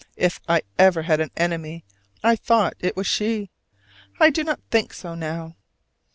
if I ever had an enemy I thought it was she! I do not think so now.